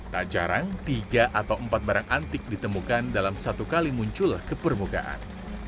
tak jarang tiga atau empat barang antik ditemukan dalam satu kali muncul ke permukaan